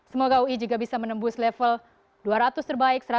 semoga ui juga bisa menembus level dua ratus terbaik